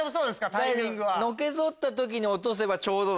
タイミングは。